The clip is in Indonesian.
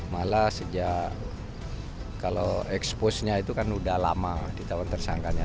malah sejak kalau eksposnya itu kan udah lama di tahun tersangkanya